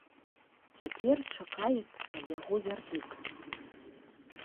Цяпер чакаецца яго вердыкт.